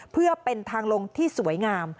เพื่อเป็นทางลงที่สวยงาม